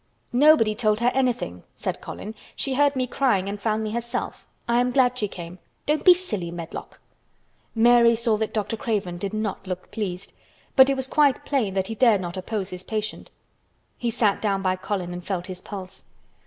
"Nobody told her anything," said Colin. "She heard me crying and found me herself. I am glad she came. Don't be silly, Medlock." Mary saw that Dr. Craven did not look pleased, but it was quite plain that he dare not oppose his patient. He sat down by Colin and felt his pulse.